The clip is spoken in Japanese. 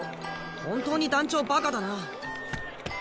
本当に団長バカだな。